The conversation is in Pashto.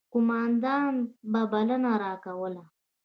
قوماندان به بلنه راکوله.